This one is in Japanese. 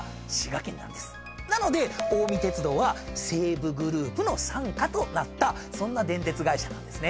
なので近江鉄道は西武グループの傘下となったそんな電鉄会社なんですね。